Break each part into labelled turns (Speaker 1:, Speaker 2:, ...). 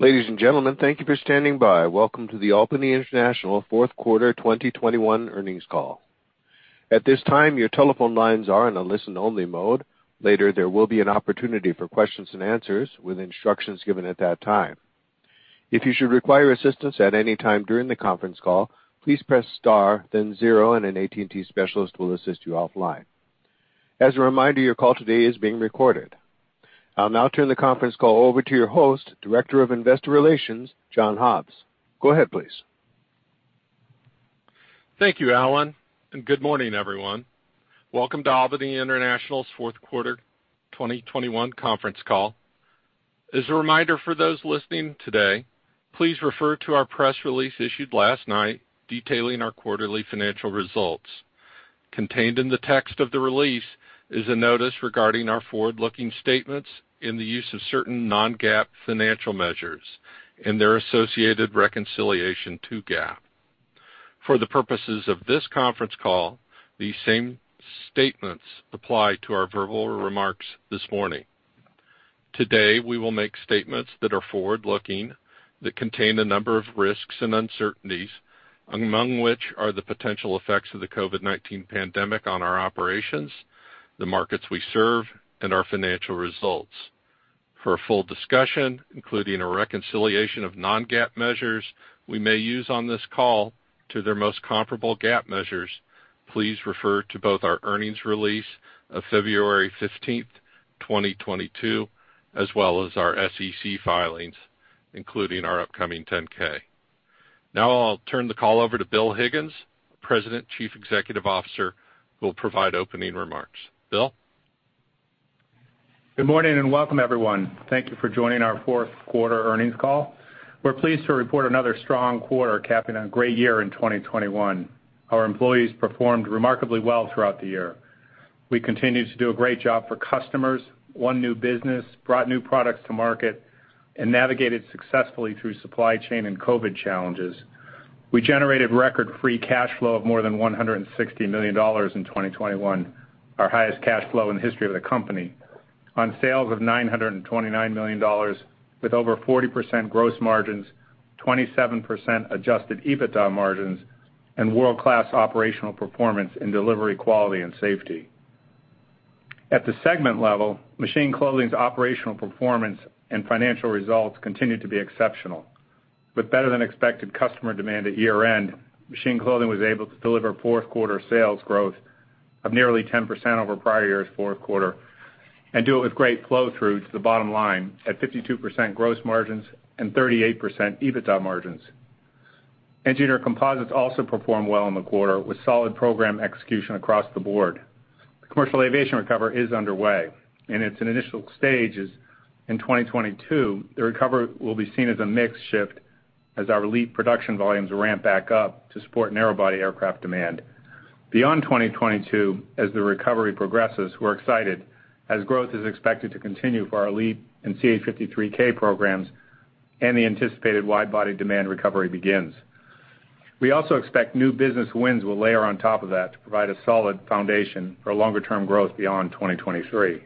Speaker 1: Ladies and gentlemen, thank you for standing by. Welcome to the Albany International Fourth Quarter 2021 earnings call. At this time, your telephone lines are in a listen-only mode. Later, there will be an opportunity for questions and answers with instructions given at that time. If you should require assistance at any time during the conference call, please press star zero, and an AT&T specialist will assist you offline. As a reminder, your call today is being recorded. I'll now turn the conference call over to your host, Director of Investor Relations, John Hobbs. Go ahead, please.
Speaker 2: Thank you, Alan, and good morning, everyone. Welcome to Albany International's fourth quarter 2021 conference call. As a reminder for those listening today, please refer to our press release issued last night detailing our quarterly financial results. Contained in the text of the release is a notice regarding our forward-looking statements in the use of certain non-GAAP financial measures and their associated reconciliation to GAAP. For the purposes of this conference call, these same statements apply to our verbal remarks this morning. Today, we will make statements that are forward-looking that contain a number of risks and uncertainties, among which are the potential effects of the COVID-19 pandemic on our operations, the markets we serve, and our financial results. For a full discussion, including a reconciliation of non-GAAP measures we may use on this call to their most comparable GAAP measures, please refer to both our earnings release of February 15, 2022, as well as our SEC filings, including our upcoming 10-K. Now I'll turn the call over to Bill Higgins, President and Chief Executive Officer, who will provide opening remarks. Bill?
Speaker 3: Good morning, and welcome, everyone. Thank you for joining our fourth quarter earnings call. We're pleased to report another strong quarter capping a great year in 2021. Our employees performed remarkably well throughout the year. We continued to do a great job for customers, won new business, brought new products to market, and navigated successfully through supply chain and COVID challenges. We generated record-free cash flow of more than $160 million in 2021, our highest cash flow in the history of the company, on sales of $929 million with over 40% gross margins, 27% adjusted EBITDA margins, and world-class operational performance in delivery quality and safety. At the segment level, Machine Clothing's operational performance and financial results continued to be exceptional. With better-than-expected customer demand at year-end, Machine Clothing was able to deliver fourth quarter sales growth of nearly 10% over prior year's fourth quarter and do it with great flow through to the bottom line at 52% gross margins and 38% EBITDA margins. Engineered Composites also performed well in the quarter with solid program execution across the board. The commercial aviation recovery is underway, and in its initial stages in 2022, the recovery will be seen as a mix shift as our LEAP production volumes ramp back up to support narrow-body aircraft demand. Beyond 2022, as the recovery progresses, we're excited as growth is expected to continue for our LEAP and CH-53K programs and the anticipated wide-body demand recovery begins. We also expect new business wins will layer on top of that to provide a solid foundation for longer-term growth beyond 2023.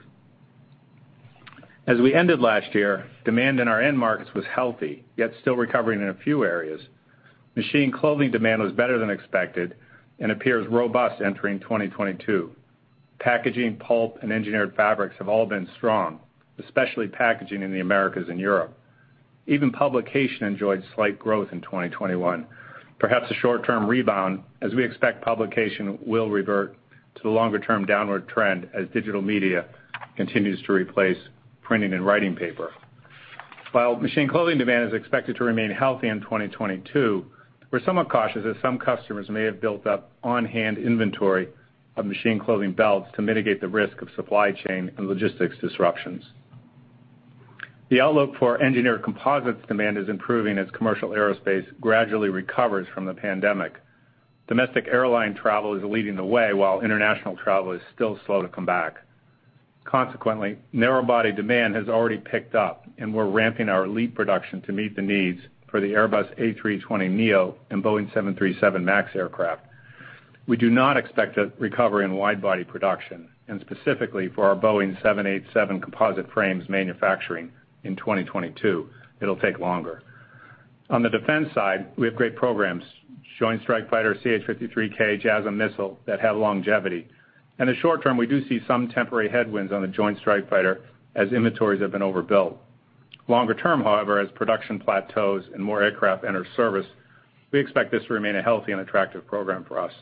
Speaker 3: As we ended last year, demand in our end markets was healthy, yet still recovering in a few areas. Machine Clothing demand was better than expected and appears robust entering 2022. Packaging, pulp, and engineered fabrics have all been strong, especially packaging in the Americas and Europe. Even publication enjoyed slight growth in 2021. Perhaps a short-term rebound, as we expect publication will revert to the longer-term downward trend as digital media continues to replace printing and writing paper. While Machine Clothing demand is expected to remain healthy in 2022, we're somewhat cautious as some customers may have built up on-hand inventory of Machine Clothing belts to mitigate the risk of supply chain and logistics disruptions. The outlook for Engineered Composites demand is improving as commercial aerospace gradually recovers from the pandemic. Domestic airline travel is leading the way while international travel is still slow to come back. Consequently, narrow-body demand has already picked up, and we're ramping our LEAP production to meet the needs for the Airbus A320neo and Boeing 737 MAX aircraft. We do not expect a recovery in wide-body production, and specifically for our Boeing 787 composite frames manufacturing in 2022. It'll take longer. On the defense side, we have great programs, Joint Strike Fighter, CH-53K, JASSM missile that have longevity. In the short term, we do see some temporary headwinds on the Joint Strike Fighter as inventories have been overbuilt. Longer term, however, as production plateaus and more aircraft enter service, we expect this to remain a healthy and attractive program for us.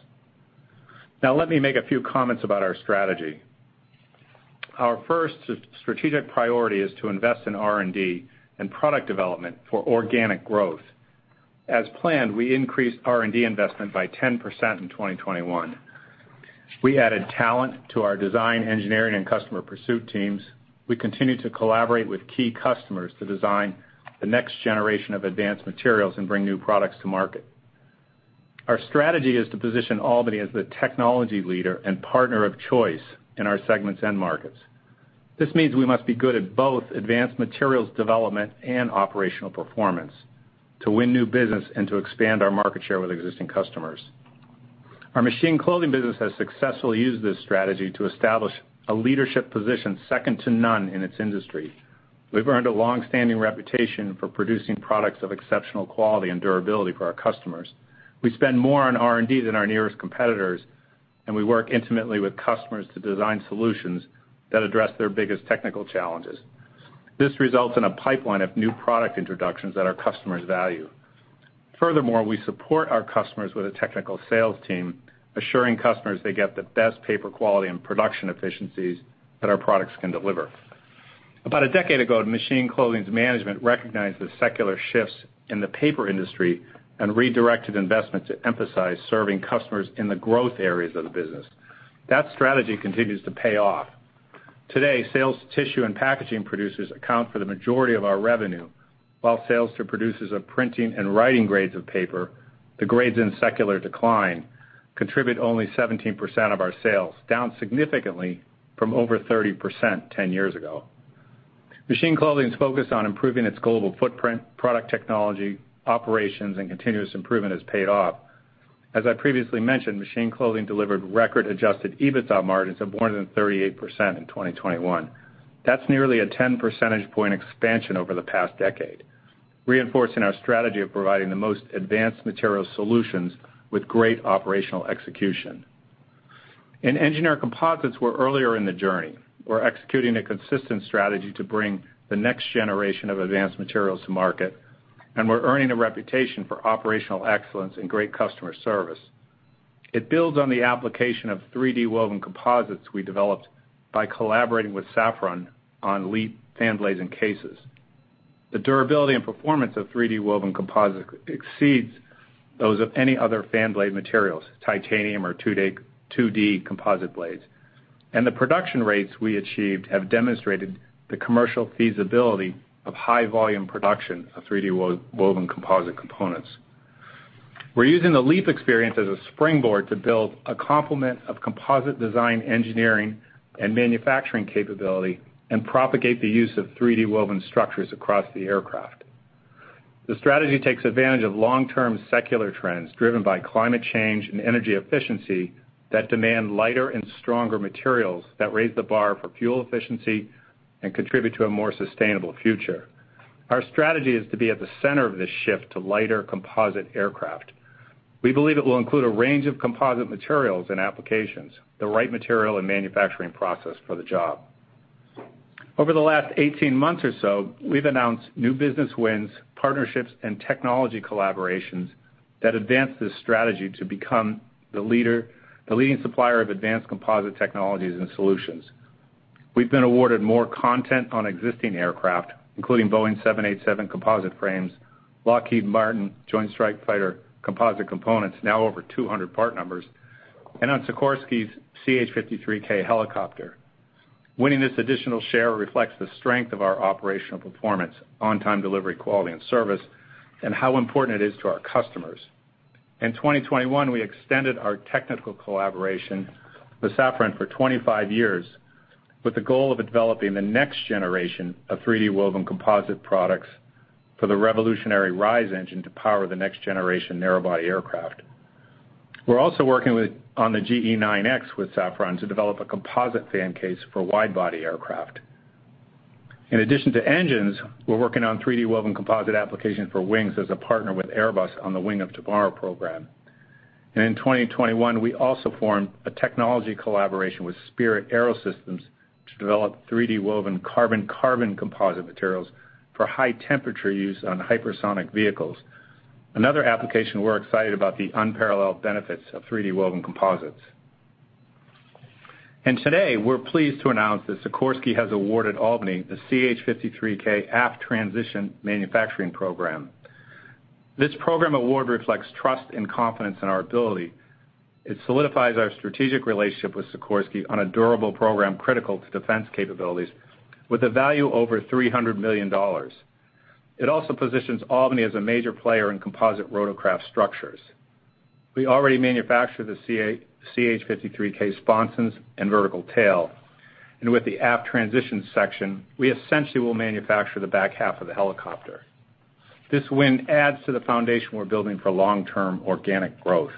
Speaker 3: Now let me make a few comments about our strategy. Our first strategic priority is to invest in R&D and product development for organic growth. As planned, we increased R&D investment by 10% in 2021. We added talent to our design, engineering, and customer pursuit teams. We continue to collaborate with key customers to design the next generation of advanced materials and bring new products to market. Our strategy is to position Albany as the technology leader and partner of choice in our segment's end markets. This means we must be good at both advanced materials development and operational performance to win new business and to expand our market share with existing customers. Our Machine Clothing business has successfully used this strategy to establish a leadership position second to none in its industry. We've earned a long-standing reputation for producing products of exceptional quality and durability for our customers. We spend more on R&D than our nearest competitors, and we work intimately with customers to design solutions that address their biggest technical challenges. This results in a pipeline of new product introductions that our customers value. Furthermore, we support our customers with a technical sales team, assuring customers they get the best paper quality and production efficiencies that our products can deliver. About a decade ago, Machine Clothing's management recognized the secular shifts in the paper industry and redirected investment to emphasize serving customers in the growth areas of the business. That strategy continues to pay off. Today, sales to tissue and packaging producers account for the majority of our revenue, while sales to producers of printing and writing grades of paper, the grades in secular decline, contribute only 17% of our sales, down significantly from over 30% 10 years ago. Machine Clothing's focus on improving its global footprint, product technology, operations, and continuous improvement has paid off. As I previously mentioned, Machine Clothing delivered record adjusted EBITDA margins of more than 38% in 2021. That's nearly a 10 percentage point expansion over the past decade, reinforcing our strategy of providing the most advanced material solutions with great operational execution. In Engineered Composites, we're earlier in the journey. We're executing a consistent strategy to bring the next generation of advanced materials to market, and we're earning a reputation for operational excellence and great customer service. It builds on the application of 3D woven composites we developed by collaborating with Safran on LEAP fan blades and cases. The durability and performance of 3D woven composite exceeds those of any other fan blade materials, titanium or 2D composite blades. The production rates we achieved have demonstrated the commercial feasibility of high volume production of 3D woven composite components. We're using the LEAP experience as a springboard to build a complement of composite design, engineering, and manufacturing capability, and propagate the use of 3D woven structures across the aircraft. The strategy takes advantage of long-term secular trends driven by climate change and energy efficiency that demand lighter and stronger materials that raise the bar for fuel efficiency and contribute to a more sustainable future. Our strategy is to be at the center of this shift to lighter composite aircraft. We believe it will include a range of composite materials and applications, the right material and manufacturing process for the job. Over the last 18 months or so, we've announced new business wins, partnerships, and technology collaborations that advance this strategy to become the leading supplier of advanced composite technologies and solutions. We've been awarded more content on existing aircraft, including Boeing 787 composite frames, Lockheed Martin Joint Strike Fighter composite components, now over 200 part numbers, and on Sikorsky's CH-53K helicopter. Winning this additional share reflects the strength of our operational performance, on-time delivery, quality, and service, and how important it is to our customers. In 2021, we extended our technical collaboration with Safran for 25 years, with the goal of developing the next generation of 3D woven composite products for the revolutionary RISE engine to power the next generation narrow-body aircraft. We're also working on the GE9X with Safran to develop a composite fan case for wide-body aircraft. In addition to engines, we're working on 3D woven composite application for wings as a partner with Airbus on the Wing of Tomorrow program. In 2021, we also formed a technology collaboration with Spirit AeroSystems to develop 3D woven carbon-carbon composite materials for high temperature use on hypersonic vehicles. Another application we're excited about the unparalleled benefits of 3D woven composites. Today, we're pleased to announce that Sikorsky has awarded Albany the CH-53K Aft Transition manufacturing program. This program award reflects trust and confidence in our ability. It solidifies our strategic relationship with Sikorsky on a durable program critical to defense capabilities with a value over $300 million. It also positions Albany as a major player in composite rotorcraft structures. We already manufacture the CH-53K sponsons and vertical tail. With the Aft Transition section, we essentially will manufacture the back half of the helicopter. This win adds to the foundation we're building for long-term organic growth.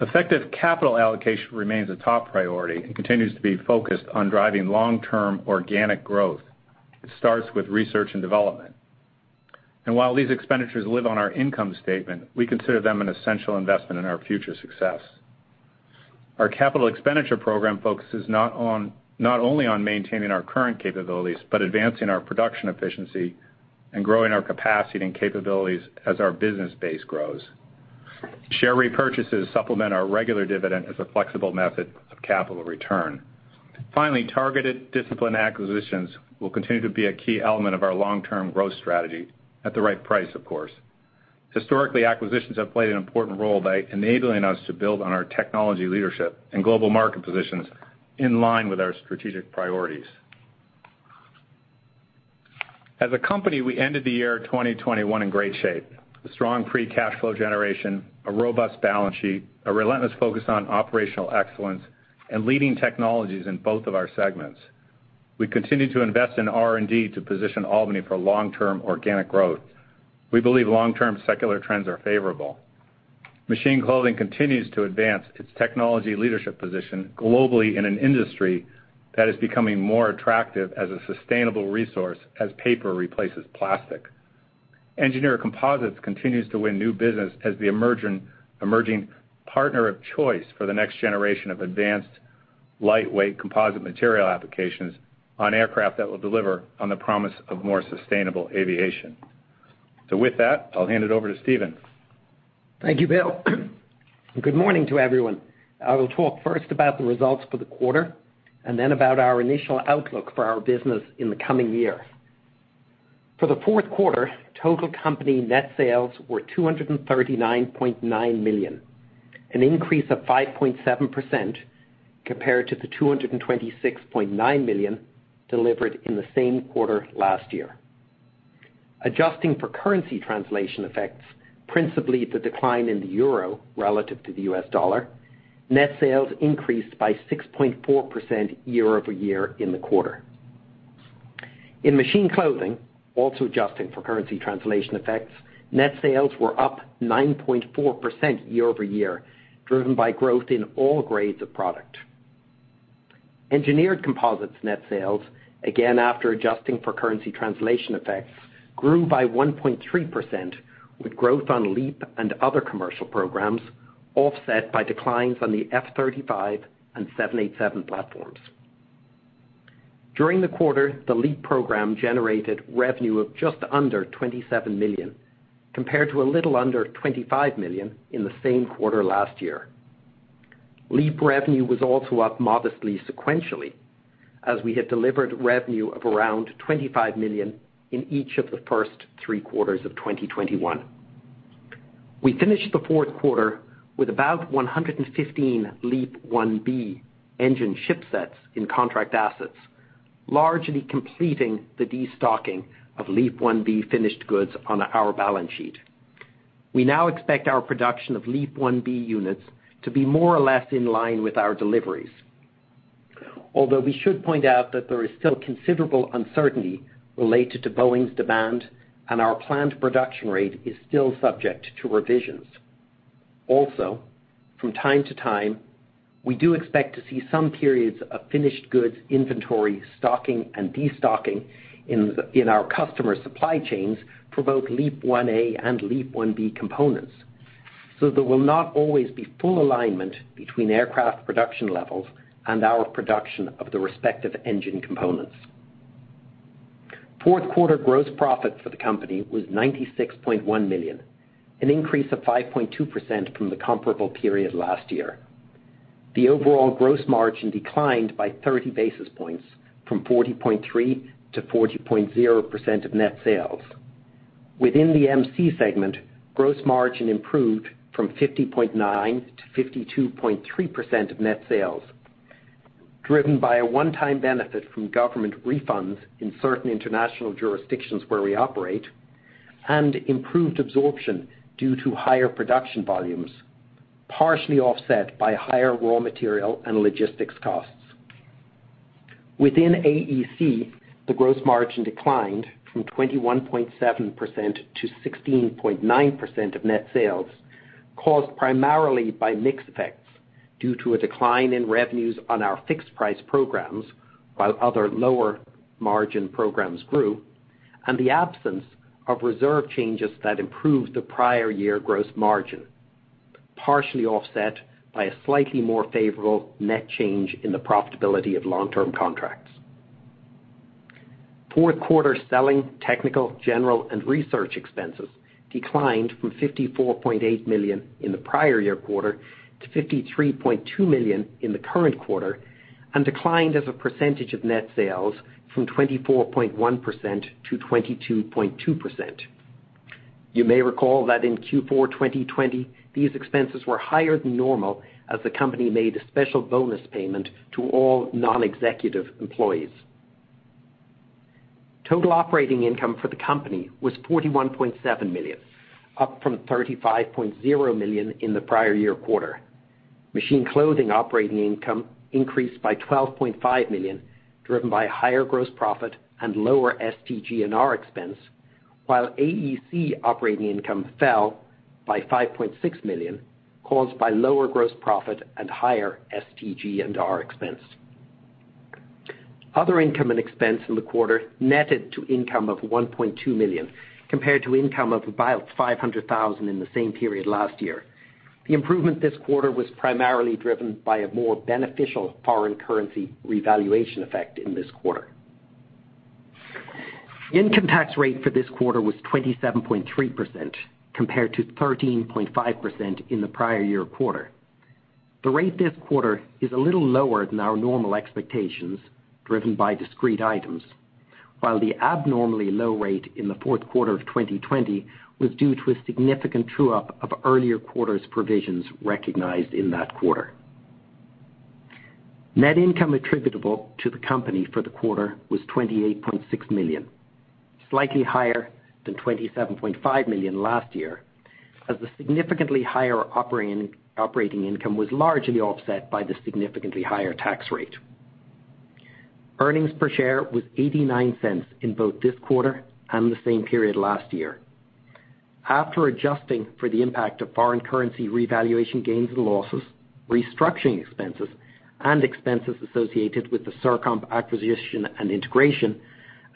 Speaker 3: Effective capital allocation remains a top priority, and continues to be focused on driving long-term organic growth. It starts with research and development. While these expenditures live on our income statement, we consider them an essential investment in our future success. Our capital expenditure program focuses not only on maintaining our current capabilities, but advancing our production efficiency and growing our capacity and capabilities as our business base grows. Share repurchases supplement our regular dividend as a flexible method of capital return. Finally, targeted discipline acquisitions will continue to be a key element of our long-term growth strategy at the right price, of course. Historically, acquisitions have played an important role by enabling us to build on our technology leadership and global market positions in line with our strategic priorities. As a company, we ended the year 2021 in great shape with a strong free cash flow generation, a robust balance sheet, a relentless focus on operational excellence, and leading technologies in both of our segments. We continue to invest in R&D to position Albany for long-term organic growth. We believe long-term secular trends are favorable. Machine Clothing continues to advance its technology leadership position globally in an industry that is becoming more attractive as a sustainable resource as paper replaces plastic. Engineered Composites continues to win new business as the emerging partner of choice for the next generation of advanced lightweight composite material applications on aircraft that will deliver on the promise of more sustainable aviation. With that, I'll hand it over to Stephen.
Speaker 4: Thank you, Bill. Good morning to everyone. I will talk first about the results for the quarter, and then about our initial outlook for our business in the coming year. For the fourth quarter, total company net sales were $239.9 million, an increase of 5.7% compared to the $226.9 million delivered in the same quarter last year. Adjusting for currency translation effects, principally the decline in the euro relative to the U.S. dollar, net sales increased by 6.4% year-over-year in the quarter. In Machine Clothing, also adjusting for currency translation effects, net sales were up 9.4% year-over-year, driven by growth in all grades of product. Engineered Composites net sales, again, after adjusting for currency translation effects, grew by 1.3% with growth on LEAP and other commercial programs offset by declines on the F-35 and 787 platforms. During the quarter, the LEAP program generated revenue of just under $27 million, compared to a little under $25 million in the same quarter last year. LEAP revenue was also up modestly sequentially as we had delivered revenue of around $25 million in each of the first three quarters of 2021. We finished the fourth quarter with about 115 LEAP-1B engine shipsets in contract assets, largely completing the destocking of LEAP-1B finished goods on our balance sheet. We now expect our production of LEAP-1B units to be more or less in line with our deliveries. Although we should point out that there is still considerable uncertainty related to Boeing's demand, and our planned production rate is still subject to revisions. Also, from time to time, we do expect to see some periods of finished goods inventory stocking and destocking in our customer supply chains for both LEAP-1A and LEAP-1B components. There will not always be full alignment between aircraft production levels and our production of the respective engine components. Fourth quarter gross profit for the company was $96.1 million, an increase of 5.2% from the comparable period last year. The overall gross margin declined by 30 basis points from 40.3% to 40.0% of net sales. Within the MC segment, gross margin improved from 50.9% to 52.3% of net sales, driven by a one-time benefit from government refunds in certain international jurisdictions where we operate and improved absorption due to higher production volumes, partially offset by higher raw material and logistics costs. Within AEC, the gross margin declined from 21.7% to 16.9% of net sales, caused primarily by mix effects due to a decline in revenues on our fixed-price programs, while other lower-margin programs grew, and the absence of reserve changes that improved the prior year gross margin, partially offset by a slightly more favorable net change in the profitability of long-term contracts. Fourth quarter selling, technical, general, and research expenses declined from $54.8 million in the prior-year quarter to $53.2 million in the current quarter and declined as a percentage of net sales from 24.1% to 22.2%. You may recall that in Q4 2020, these expenses were higher than normal as the company made a special bonus payment to all non-executive employees. Total operating income for the company was $41.7 million, up from $35.0 million in the prior-year quarter. Machine Clothing operating income increased by $12.5 million, driven by higher gross profit and lower STG&R expense, while AEC operating income fell by $5.6 million, caused by lower gross profit and higher STG&R expense. Other income and expense in the quarter netted to income of $1.2 million, compared to income of about $500,000 in the same period last year. The improvement this quarter was primarily driven by a more beneficial foreign currency revaluation effect in this quarter. The income tax rate for this quarter was 27.3%, compared to 13.5% in the prior-year quarter. The rate this quarter is a little lower than our normal expectations, driven by discrete items, while the abnormally low rate in the fourth quarter of 2020 was due to a significant true-up of earlier quarters' provisions recognized in that quarter. Net income attributable to the company for the quarter was $28.6 million, slightly higher than $27.5 million last year, as the significantly higher operating income was largely offset by the significantly higher tax rate. Earnings per share was $0.89 in both this quarter and the same period last year. After adjusting for the impact of foreign currency revaluation gains and losses, restructuring expenses, and expenses associated with the CirComp acquisition and integration,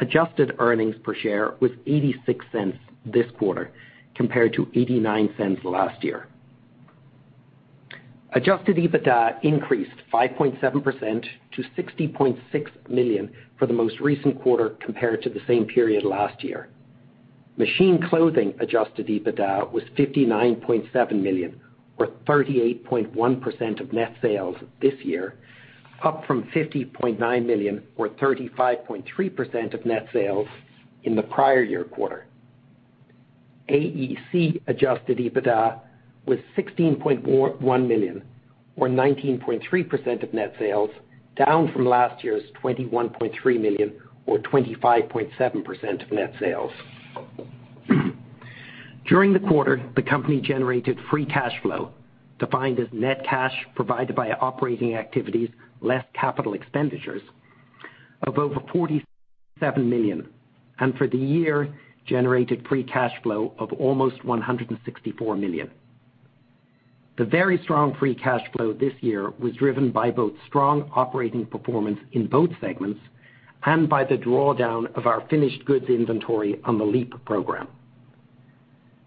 Speaker 4: adjusted earnings per share was $0.86 this quarter compared to $0.89 last year. Adjusted EBITDA increased 5.7% to $60.6 million for the most recent quarter compared to the same period last year. Machine Clothing adjusted EBITDA was $59.7 million or 38.1% of net sales this year, up from $50.9 million or 35.3% of net sales in the prior-year quarter. AEC adjusted EBITDA was $16.1 million or 19.3% of net sales, down from last year's $21.3 million or 25.7% of net sales. During the quarter, the company generated free cash flow, defined as net cash provided by operating activities less capital expenditures of over $47 million, and for the year, generated free cash flow of almost $164 million. The very strong free cash flow this year was driven by both strong operating performance in both segments and by the drawdown of our finished goods inventory on the LEAP program.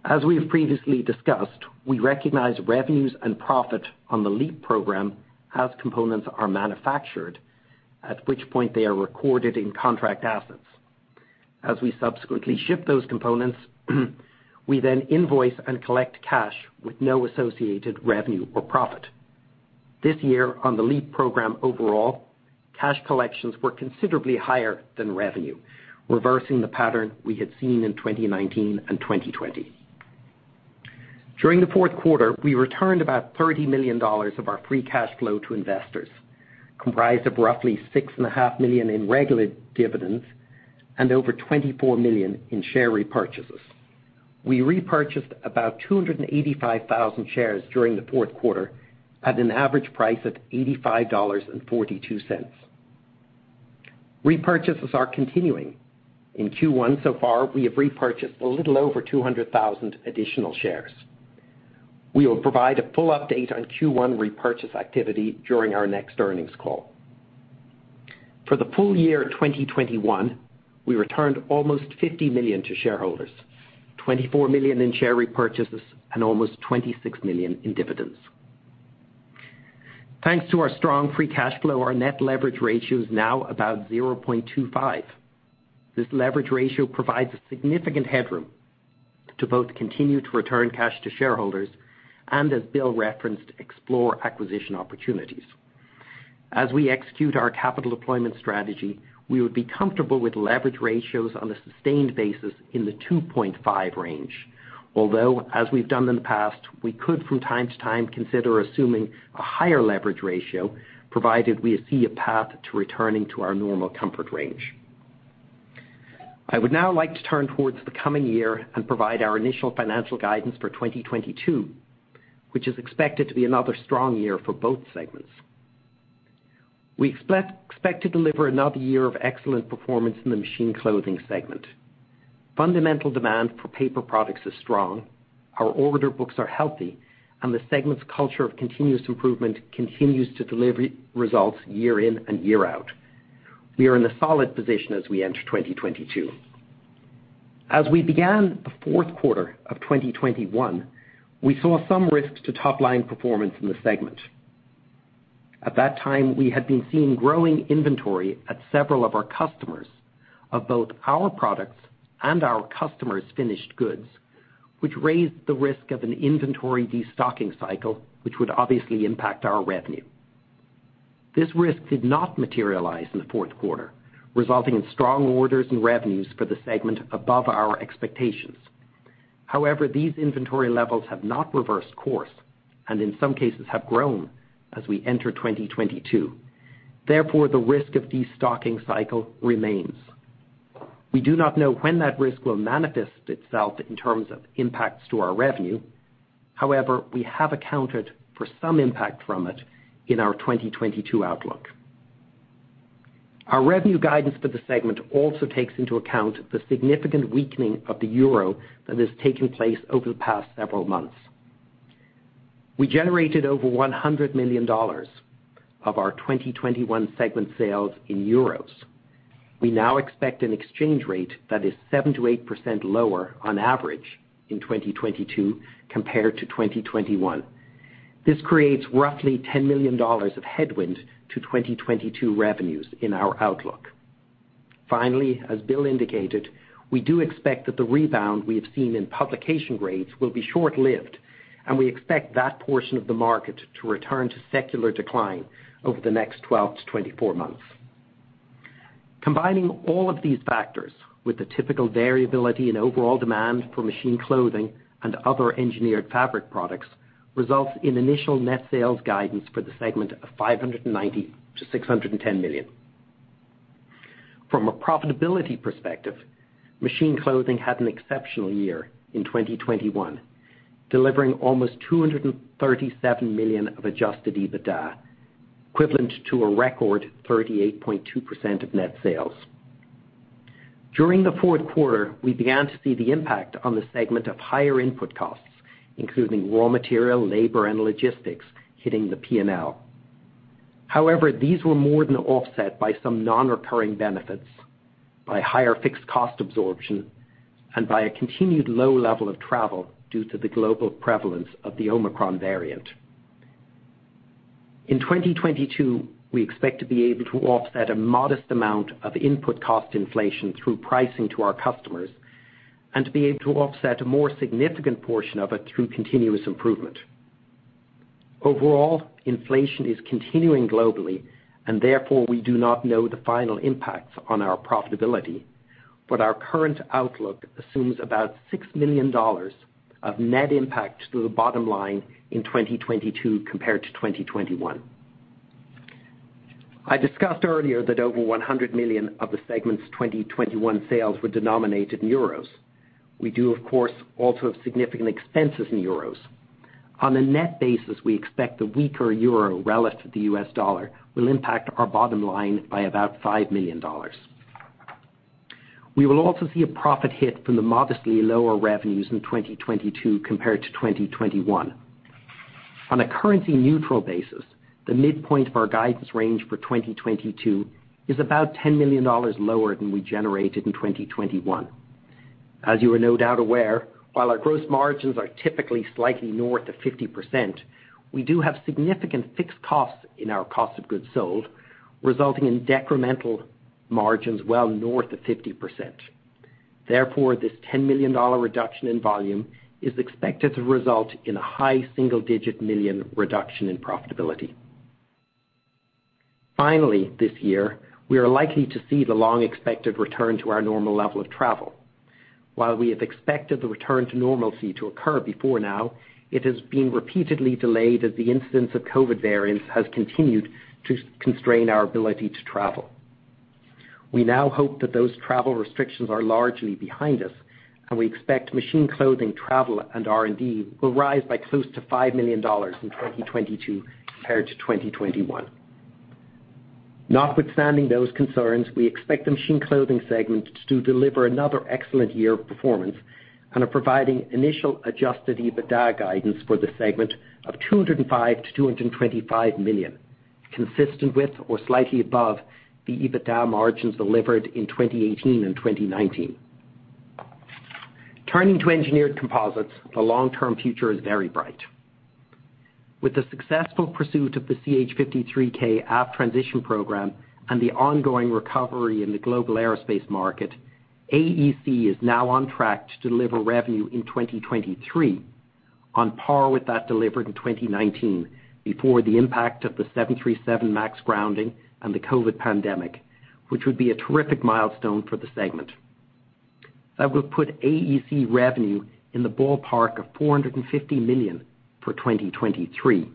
Speaker 4: As we have previously discussed, we recognize revenues and profit on the LEAP program as components are manufactured, at which point they are recorded in contract assets. As we subsequently ship those components, we then invoice and collect cash with no associated revenue or profit. This year on the LEAP program overall, cash collections were considerably higher than revenue, reversing the pattern we had seen in 2019 and 2020. During the fourth quarter, we returned about $30 million of our free cash flow to investors, comprised of roughly $6.5 million in regular dividends and over $24 million in share repurchases. We repurchased about 285,000 shares during the fourth quarter at an average price of $85.42. Repurchases are continuing. In Q1 so far, we have repurchased a little over 200,000 additional shares. We will provide a full update on Q1 repurchase activity during our next earnings call. For the full year 2021, we returned almost $50 million to shareholders, $24 million in share repurchases, and almost $26 million in dividends. Thanks to our strong free cash flow, our net leverage ratio is now about 0.25x. This leverage ratio provides a significant headroom to both continue to return cash to shareholders and as Bill referenced, explore acquisition opportunities. As we execute our capital deployment strategy, we would be comfortable with leverage ratios on a sustained basis in the 2.5x range. Although, as we've done in the past, we could from time to time consider assuming a higher leverage ratio, provided we see a path to returning to our normal comfort range. I would now like to turn towards the coming year and provide our initial financial guidance for 2022, which is expected to be another strong year for both segments. We expect to deliver another year of excellent performance in the Machine Clothing segment. Fundamental demand for paper products is strong, our order books are healthy, and the segment's culture of continuous improvement continues to deliver results year in and year out. We are in a solid position as we enter 2022. As we began the fourth quarter of 2021, we saw some risks to top-line performance in the segment. At that time, we had been seeing growing inventory at several of our customers of both our products and our customers' finished goods, which raised the risk of an inventory destocking cycle, which would obviously impact our revenue. This risk did not materialize in the fourth quarter, resulting in strong orders and revenues for the segment above our expectations. However, these inventory levels have not reversed course, and in some cases have grown as we enter 2022. Therefore, the risk of destocking cycle remains. We do not know when that risk will manifest itself in terms of impacts to our revenue. However, we have accounted for some impact from it in our 2022 outlook. Our revenue guidance for the segment also takes into account the significant weakening of the euro that has taken place over the past several months. We generated over $100 million of our 2021 segment sales in euros. We now expect an exchange rate that is 7%-8% lower on average in 2022 compared to 2021. This creates roughly $10 million of headwind to 2022 revenues in our outlook. Finally, as Bill indicated, we do expect that the rebound we have seen in publication rates will be short-lived, and we expect that portion of the market to return to secular decline over the next 12-24 months. Combining all of these factors with the typical variability in overall demand for Machine Clothing and other engineered fabric products results in initial net sales guidance for the segment of $590 million-$610 million. From a profitability perspective, Machine Clothing had an exceptional year in 2021, delivering almost $237 million of adjusted EBITDA, equivalent to a record 38.2% of net sales. During the fourth quarter, we began to see the impact on the segment of higher input costs, including raw material, labor, and logistics hitting the P&L. However, these were more than offset by some non-recurring benefits by higher fixed cost absorption and by a continued low level of travel due to the global prevalence of the Omicron variant. In 2022, we expect to be able to offset a modest amount of input cost inflation through pricing to our customers and to be able to offset a more significant portion of it through continuous improvement. Overall, inflation is continuing globally and therefore we do not know the final impacts on our profitability. Our current outlook assumes about $6 million of net impact to the bottom line in 2022 compared to 2021. I discussed earlier that over $100 million of the segment's 2021 sales were denominated in euros. We do, of course, also have significant expenses in euros. On a net basis, we expect the weaker euro relative to the US dollar will impact our bottom line by about $5 million. We will also see a profit hit from the modestly lower revenues in 2022 compared to 2021. On a currency neutral basis, the midpoint of our guidance range for 2022 is about $10 million lower than we generated in 2021. As you are no doubt aware, while our gross margins are typically slightly north of 50%, we do have significant fixed costs in our cost of goods sold, resulting in decremental margins well north of 50%. Therefore, this $10 million reduction in volume is expected to result in a high-single-digit million reduction in profitability. Finally, this year, we are likely to see the long expected return to our normal level of travel. While we have expected the return to normalcy to occur before now, it has been repeatedly delayed as the incidence of COVID variants has continued to constrain our ability to travel. We now hope that those travel restrictions are largely behind us, and we expect Machine Clothing, travel, and R&D will rise by close to $5 million in 2022 compared to 2021. Notwithstanding those concerns, we expect the Machine Clothing segment to deliver another excellent year of performance and are providing initial adjusted EBITDA guidance for the segment of $205 million-$225 million, consistent with or slightly above the EBITDA margins delivered in 2018 and 2019. Turning to Engineered Composites, the long-term future is very bright. With the successful pursuit of the CH-53K Aft Transition program and the ongoing recovery in the global aerospace market, AEC is now on track to deliver revenue in 2023 on par with that delivered in 2019 before the impact of the 737 MAX grounding and the COVID-19 pandemic, which would be a terrific milestone for the segment. That will put AEC revenue in the ballpark of $450 million for 2023,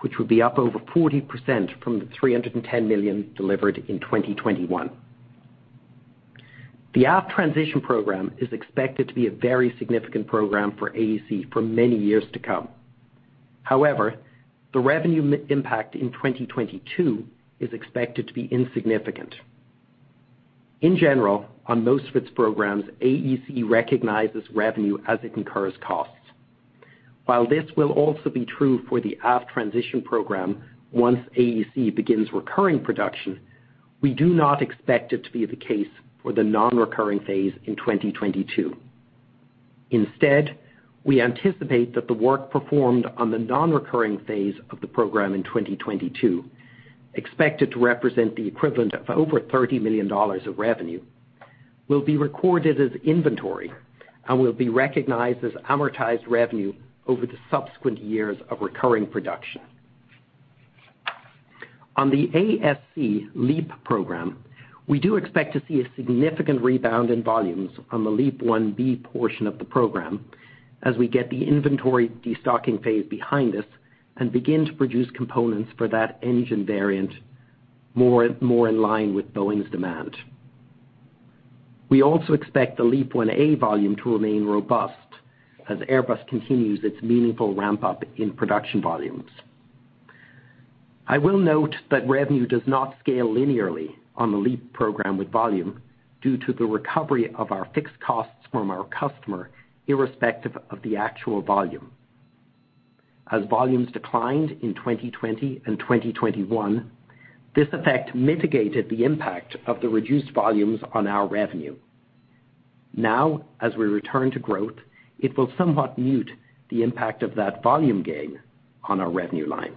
Speaker 4: which would be up over 40% from the $310 million delivered in 2021. The Aft Transition program is expected to be a very significant program for AEC for many years to come. However, the revenue impact in 2022 is expected to be insignificant. In general, on most of its programs, AEC recognizes revenue as it incurs costs. While this will also be true for the Aft transition program, once AEC begins recurring production, we do not expect it to be the case for the non-recurring phase in 2022. Instead, we anticipate that the work performed on the non-recurring phase of the program in 2022, expected to represent the equivalent of over $30 million of revenue, will be recorded as inventory and will be recognized as amortized revenue over the subsequent years of recurring production. On the AEC LEAP program, we do expect to see a significant rebound in volumes on the LEAP-1B portion of the program as we get the inventory destocking phase behind us and begin to produce components for that engine variant more in line with Boeing's demand. We also expect the LEAP-1A volume to remain robust as Airbus continues its meaningful ramp up in production volumes. I will note that revenue does not scale linearly on the LEAP program with volume due to the recovery of our fixed costs from our customer, irrespective of the actual volume. As volumes declined in 2020 and 2021, this effect mitigated the impact of the reduced volumes on our revenue. Now, as we return to growth, it will somewhat mute the impact of that volume gain on our revenue line.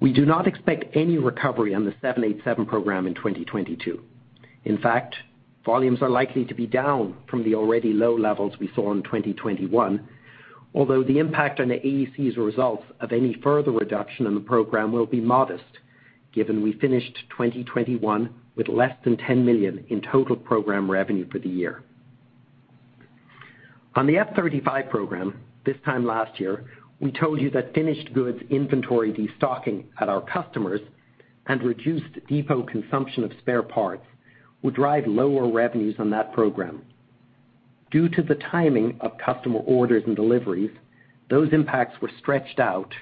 Speaker 4: We do not expect any recovery on the 787 program in 2022. In fact, volumes are likely to be down from the already low levels we saw in 2021. Although the impact on the AEC's results of any further reduction in the program will be modest, given we finished 2021 with less than $10 million in total program revenue for the year. On the F-35 program, this time last year, we told you that finished goods inventory destocking at our customers and reduced depot consumption of spare parts would drive lower revenues on that program. Due to the timing of customer orders and deliveries, those impacts were stretched out.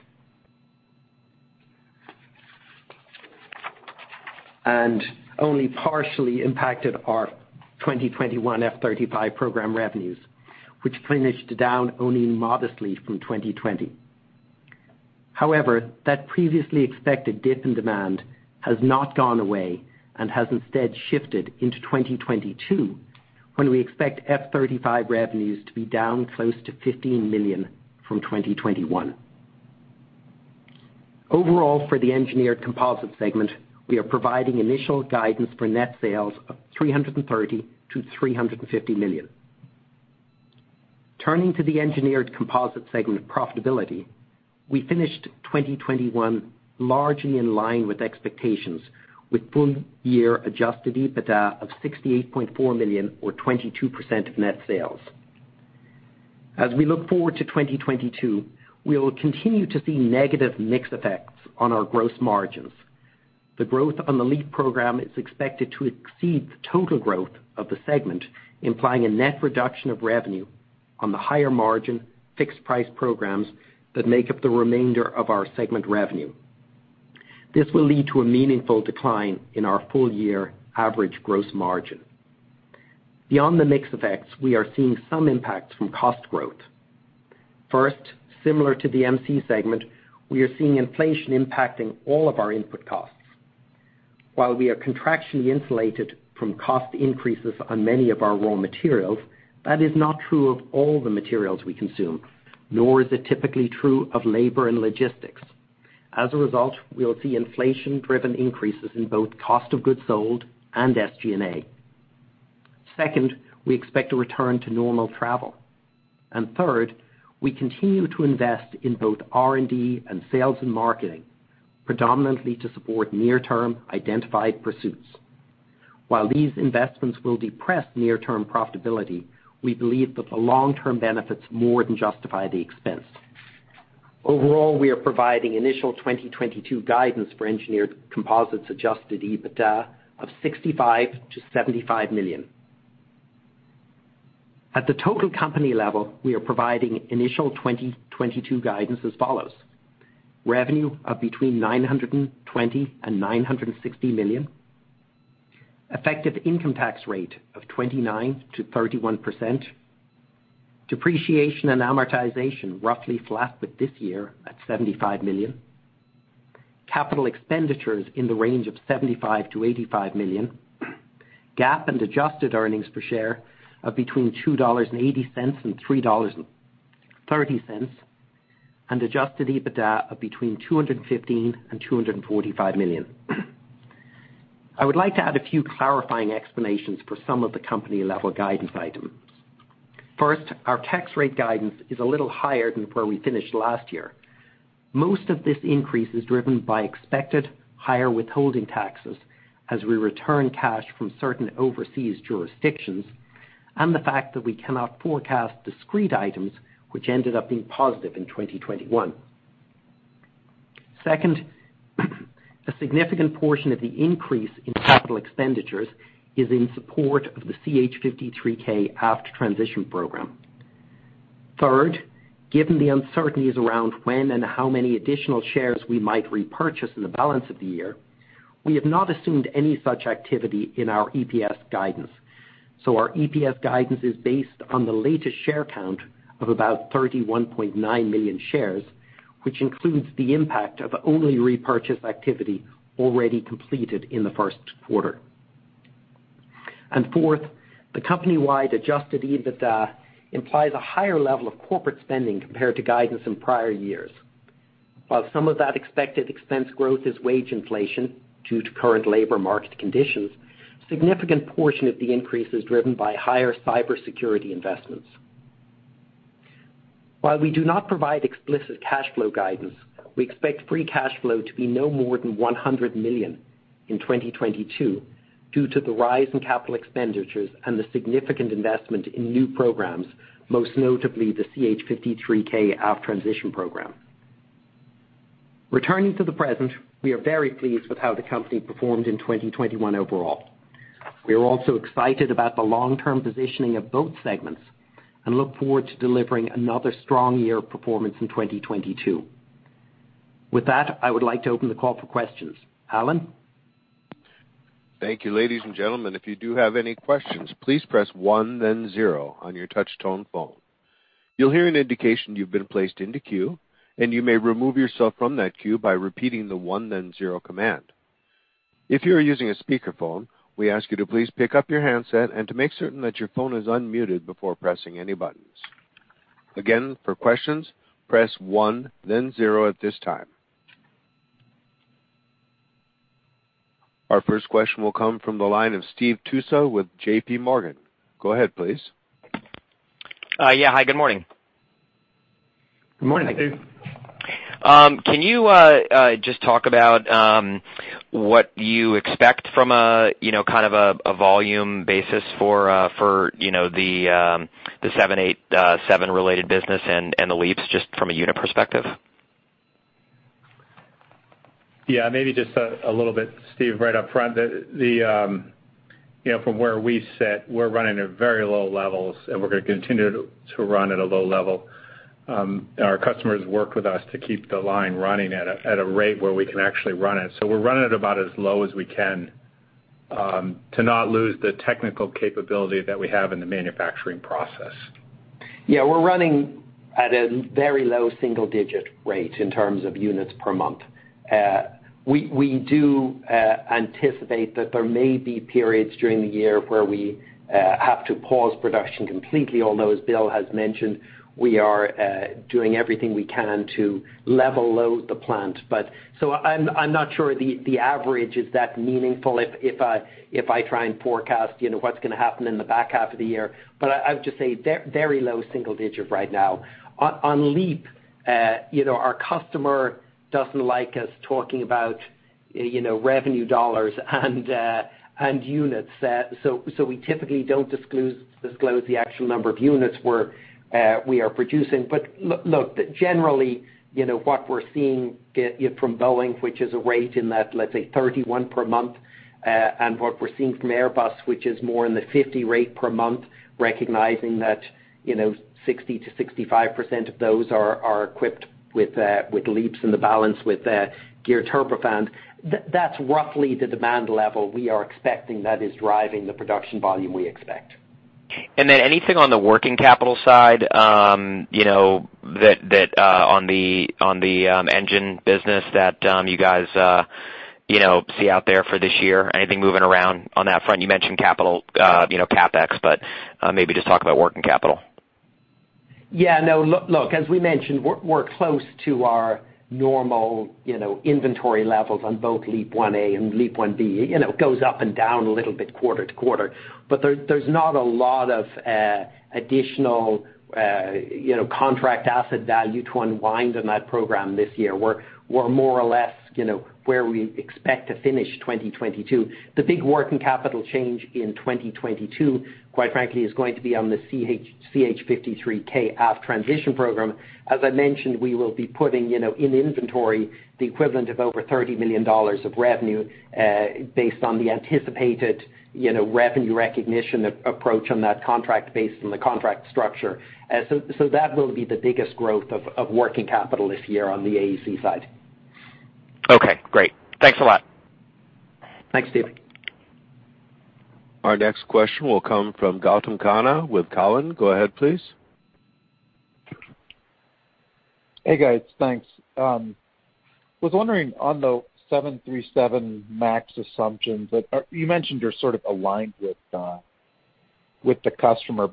Speaker 4: Only partially impacted our 2021 F-35 program revenues, which finished down only modestly from 2020. However, that previously expected dip in demand has not gone away and has instead shifted into 2022, when we expect F-35 revenues to be down close to $15 million from 2021. Overall, for the Engineered Composite segment, we are providing initial guidance for net sales of $330 million-$350 million. Turning to the Engineered Composites segment profitability, we finished 2021 largely in line with expectations, with full year adjusted EBITDA of $68.4 million or 22% of net sales. As we look forward to 2022, we will continue to see negative mix effects on our gross margins. The growth on the LEAP program is expected to exceed the total growth of the segment, implying a net reduction of revenue on the higher-margin fixed-price programs that make up the remainder of our segment revenue. This will lead to a meaningful decline in our full year average gross margin. Beyond the mix effects, we are seeing some impacts from cost growth. First, similar to the MC segment, we are seeing inflation impacting all of our input costs. While we are contractually insulated from cost increases on many of our raw materials, that is not true of all the materials we consume, nor is it typically true of labor and logistics. As a result, we'll see inflation-driven increases in both cost of goods sold and SG&A. Second, we expect to return to normal travel. Third, we continue to invest in both R&D and sales and marketing, predominantly to support near-term identified pursuits. While these investments will depress near-term profitability, we believe that the long-term benefits more than justify the expense. Overall, we are providing initial 2022 guidance for Engineered Composites adjusted EBITDA of $65 million-$75 million. At the total company level, we are providing initial 2022 guidance as follows: revenue of between $920 million and $960 million, effective income tax rate of 29%-31%, depreciation and amortization roughly flat with this year at $75 million, capital expenditures in the range of $75 million-$85 million, GAAP and adjusted earnings per share of between $2.80 and $3.30, and adjusted EBITDA of between $215 million and $245 million. I would like to add a few clarifying explanations for some of the company-level guidance items. First, our tax rate guidance is a little higher than where we finished last year. Most of this increase is driven by expected higher withholding taxes as we return cash from certain overseas jurisdictions and the fact that we cannot forecast discrete items which ended up being positive in 2021. Second, a significant portion of the increase in capital expenditures is in support of the CH-53K Aft Transition program. Third, given the uncertainties around when and how many additional shares we might repurchase in the balance of the year, we have not assumed any such activity in our EPS guidance. Our EPS guidance is based on the latest share count of about 31.9 million shares, which includes the impact of only repurchase activity already completed in the first quarter. Fourth, the company-wide adjusted EBITDA implies a higher level of corporate spending compared to guidance in prior years. While some of that expected expense growth is wage inflation due to current labor market conditions, significant portion of the increase is driven by higher cybersecurity investments. While we do not provide explicit cash flow guidance, we expect free cash flow to be no more than $100 million in 2022 due to the rise in capital expenditures and the significant investment in new programs, most notably the CH-53K Aft Transition program. Returning to the present, we are very pleased with how the company performed in 2021 overall. We are also excited about the long-term positioning of both segments and look forward to delivering another strong year of performance in 2022. With that, I would like to open the call for questions. Alan?
Speaker 1: Thank you. Ladies and gentlemen, if you do have any questions, please press one then zero on your touch-tone phone. You'll hear an indication you've been placed into queue, and you may remove yourself from that queue by repeating the one then zero command. If you are using a speakerphone, we ask you to please pick up your handset and to make certain that your phone is unmuted before pressing any buttons. Again, for questions, press one then zero at this time. Our first question will come from the line of Steve Tusa with JPMorgan. Go ahead, please.
Speaker 5: Yeah. Hi, good morning.
Speaker 3: Good morning.
Speaker 2: Hi, Steve.
Speaker 5: Can you just talk about what you expect from a, you know, kind of a volume basis for, you know, the 787 related business and the LEAPs just from a unit perspective?
Speaker 3: Yeah. Maybe just a little bit, Steve, right up front. You know, from where we sit, we're running at very low levels, and we're gonna continue to run at a low level. Our customers work with us to keep the line running at a rate where we can actually run it. We're running at about as low as we can to not lose the technical capability that we have in the manufacturing process.
Speaker 4: Yeah, we're running at a very low-single-digit rate in terms of units per month. We anticipate that there may be periods during the year where we have to pause production completely, although, as Bill has mentioned, we are doing everything we can to level-load the plant. I'm not sure the average is that meaningful if I try and forecast, you know, what's gonna happen in the back half of the year. I would just say very low single digit right now. On LEAP, you know, our customer doesn't like us talking about, you know, revenue dollars and units. So we typically don't disclose the actual number of units we are producing. But look, generally, you know, what we're seeing from Boeing, which is a rate of, let's say, 31 per month, and what we're seeing from Airbus, which is more in the 50 rate per month, recognizing that, you know, 60%-65% of those are equipped with LEAPs and the balance with Geared Turbofan. That's roughly the demand level we are expecting that is driving the production volume we expect.
Speaker 5: Anything on the working capital side, you know, that on the engine business that you guys you know see out there for this year? Anything moving around on that front? You mentioned capital, you know, CapEx, but maybe just talk about working capital.
Speaker 4: Yeah, no. Look, as we mentioned, we're close to our normal, you know, inventory levels on both LEAP-1A and LEAP-1B. You know, it goes up and down a little bit quarter to quarter. There's not a lot of additional, you know, contract asset value to unwind on that program this year. We're more or less, you know, where we expect to finish 2022. The big working capital change in 2022, quite frankly, is going to be on the CH-53K Aft Transition program. As I mentioned, we will be putting, you know, in inventory the equivalent of over $30 million of revenue based on the anticipated, you know, revenue recognition approach on that contract based on the contract structure. That will be the biggest growth of working capital this year on the AEC side.
Speaker 5: Okay, great. Thanks a lot.
Speaker 4: Thanks, Steve.
Speaker 1: Our next question will come from Gautam Khanna with Cowen. Go ahead, please.
Speaker 6: Hey, guys. Thanks. Was wondering on the 737 MAX assumptions that you mentioned you're sort of aligned with the customer.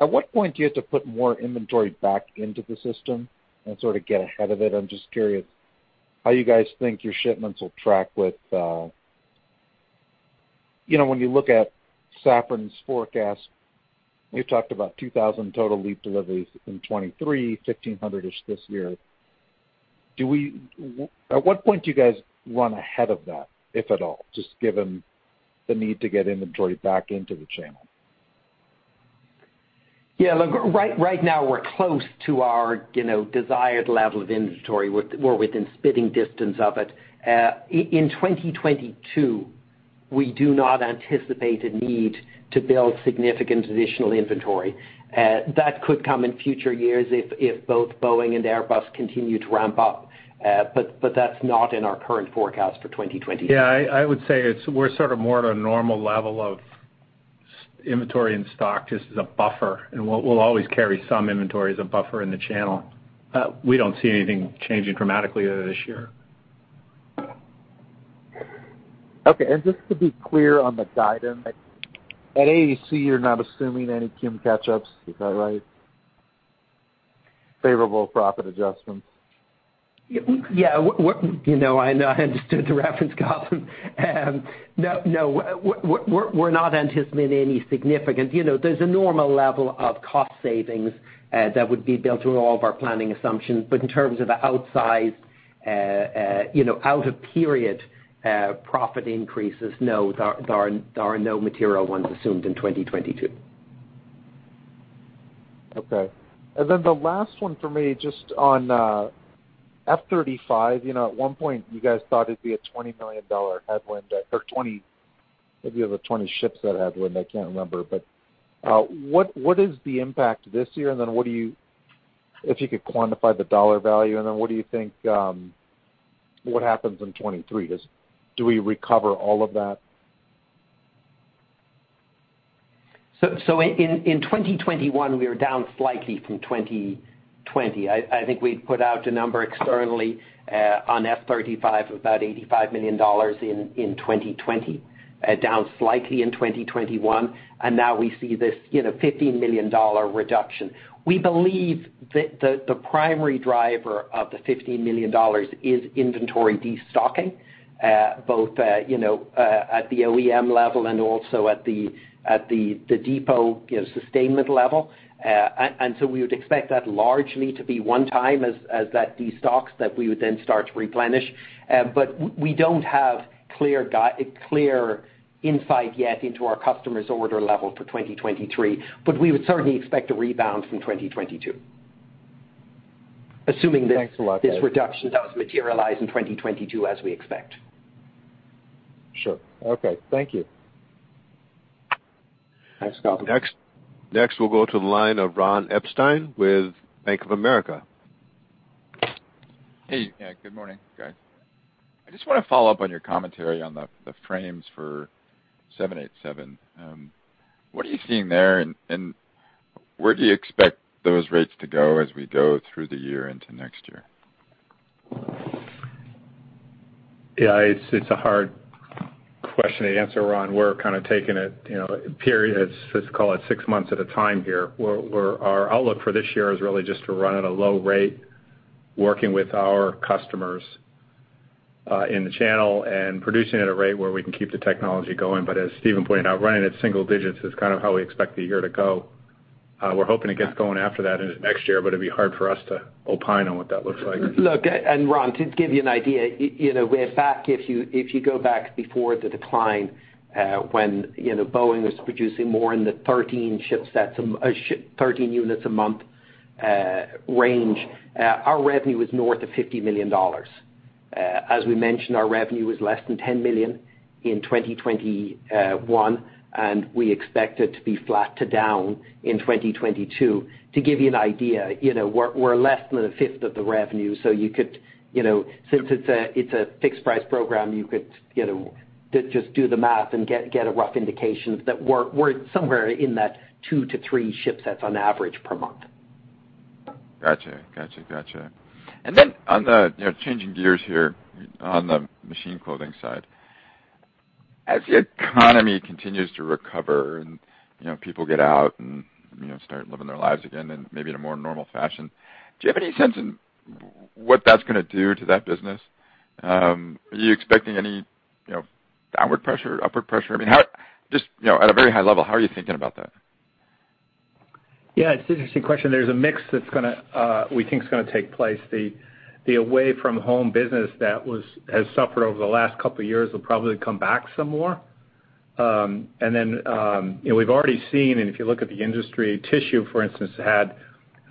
Speaker 6: At what point do you have to put more inventory back into the system and sort of get ahead of it? I'm just curious how you guys think your shipments will track with, you know, when you look at Safran's forecast, we've talked about 2,000 total LEAP deliveries in 2023, 1,500-ish this year. At what point do you guys run ahead of that, if at all, just given the need to get inventory back into the channel?
Speaker 4: Yeah. Look, right now we're close to our, you know, desired level of inventory. We're within spitting distance of it. In 2022, we do not anticipate a need to build significant additional inventory. That could come in future years if both Boeing and Airbus continue to ramp up. That's not in our current forecast for 2022. Yeah. I would say we're sort of more at a normal level of inventory and stock just as a buffer, and we'll always carry some inventory as a buffer in the channel. We don't see anything changing dramatically this year.
Speaker 6: Okay. Just to be clear on the guidance, at AEC, you're not assuming any EAC catch-ups, favorable profit adjustments. Is that right?
Speaker 4: You know, I understood the reference, Gautam. No, we're not anticipating any significant. You know, there's a normal level of cost savings that would be built through all of our planning assumptions. In terms of outsized, you know, out of period profit increases, no, there are no material ones assumed in 2022.
Speaker 6: Okay. Then the last one for me, just on F-35. You know, at one point you guys thought it'd be a $20 million headwind or 20, maybe it was a 20 shipset headwind, I can't remember. What is the impact this year? Then what do you, if you could quantify the dollar value, and then what do you think, what happens in 2023? Do we recover all of that?
Speaker 4: In 2021, we were down slightly from 2020. I think we'd put out a number externally on F-35 of about $85 million in 2020. Down slightly in 2021, and now we see this, you know, $15 million reduction. We believe the primary driver of the $15 million is inventory destocking, you know, both at the OEM level and also at the depot sustainment level. We would expect that largely to be one time as that destocking that we would then start to replenish. We don't have clear insight yet into our customers' order level for 2023. We would certainly expect a rebound from 2022, assuming that.
Speaker 6: Thanks a lot, guys....
Speaker 4: this reduction does materialize in 2022 as we expect.
Speaker 6: Sure. Okay, thank you.
Speaker 4: Thanks, Gautam Khanna.
Speaker 1: Next, we'll go to the line of Ron Epstein with Bank of America.
Speaker 7: Hey. Yeah, good morning, guys. I just wanna follow up on your commentary on the frames for 787. What are you seeing there, and where do you expect those rates to go as we go through the year into next year?
Speaker 3: Yeah, it's a hard question to answer, Ron. We're kind of taking it, you know, in periods, let's call it six months at a time here, where our outlook for this year is really just to run at a low rate, working with our customers in the channel and producing at a rate where we can keep the technology going. As Stephen pointed out, running at single digits is kind of how we expect the year to go. We're hoping it gets going after that into next year, but it'd be hard for us to opine on what that looks like.
Speaker 4: Look, and Ron, to give you an idea, you know, way back if you go back before the decline, when you know, Boeing was producing more in the 13 shipsets a month range, our revenue was north of $50 million. As we mentioned, our revenue was less than $10 million in 2020, and we expect it to be flat to down in 2022. To give you an idea, you know, we're less than a fifth of the revenue, so you could, you know, since it's a fixed-price program, you could, you know, just do the math and get a rough indication that we're somewhere in that two to three shipsets on average per month.
Speaker 7: Gotcha. On the, you know, changing gears here on the Machine Clothing side. As the economy continues to recover and, you know, people get out and, you know, start living their lives again and maybe in a more normal fashion, do you have any sense in what that's gonna do to that business? Are you expecting any, you know, downward pressure, upward pressure? I mean, just, you know, at a very high level, how are you thinking about that?
Speaker 3: Yeah, it's an interesting question. There's a mix that's gonna, we think is gonna take place. The away-from-home business that has suffered over the last couple years will probably come back some more. And then, you know, we've already seen, and if you look at the industry, tissue, for instance, had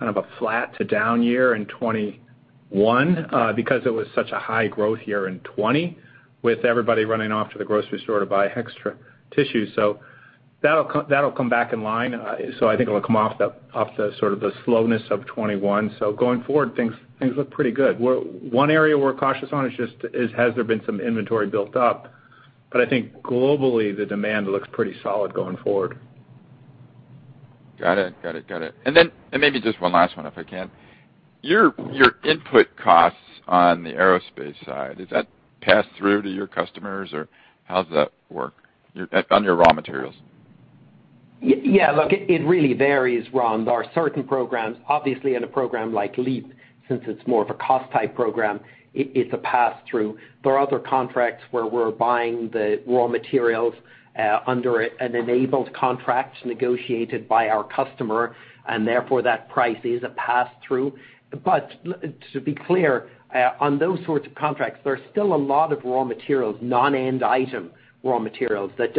Speaker 3: kind of a flat-to-down year in 2021, because it was such a high growth year in 2020 with everybody running off to the grocery store to buy extra tissue. That'll come back in line. I think it'll come off the sort of the slowness of 2021. Going forward, things look pretty good. One area we're cautious on is just, has there been some inventory built up? But I think globally, the demand looks pretty solid going forward.
Speaker 7: Got it. Maybe just one last one if I can. Your input costs on the aerospace side, does that pass through to your customers, or how does that work? On your raw materials.
Speaker 4: Yeah, look, it really varies, Ron. There are certain programs, obviously in a program like LEAP, since it's more of a cost-type program, it is a pass-through. There are other contracts where we're buying the raw materials under an enabled contract negotiated by our customer, and therefore that price is a pass-through. But to be clear, on those sorts of contracts, there are still a lot of raw materials, non-end-item raw materials that